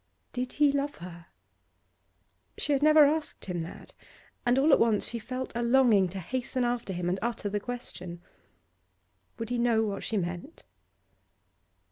Did he love her? She had never asked him that, and all at once she felt a longing to hasten after him and utter the question. Would he know what she meant?